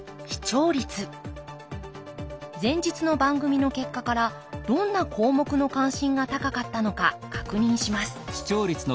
前日の番組の結果からどんな項目の関心が高かったのか確認します。